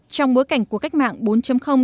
trong bối cảnh của cách mạng bốn